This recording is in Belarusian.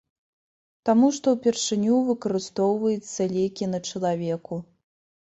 Таму што ўпершыню выкарыстоўваецца лекі на чалавеку.